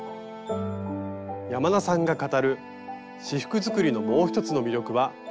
山田さんが語る仕覆作りのもう一つの魅力は「布選び」。